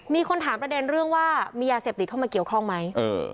มีคนถามประเด็นเรื่องว่ามียาเสพติดเข้ามาเกี่ยวข้องไหม